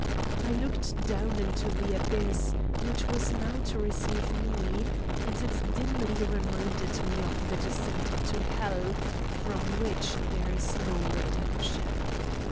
I looked down into the abyss, which was now to receive me, and it dimly reminded me of the descent into hell, from which there is no redemption.